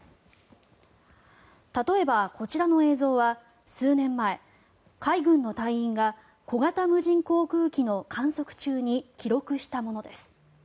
例えば、こちらの映像は数年前、海軍の隊員が小型無人航空機の観測中に記録したものです。